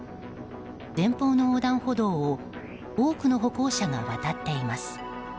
前方の横断歩道を多くの歩行者が渡っています。